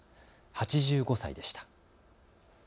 ８５歳でした。